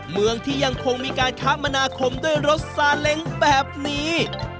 เมืองที่ยังคงมีการคมนาคมด้วยรถซาเล้งแบบนี้